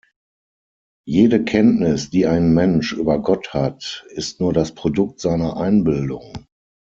Jede Kenntnis, die ein Mensch über Gott hat, ist nur das Produkt seiner Einbildung.